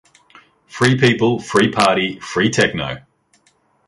Free people, free party, free tekno!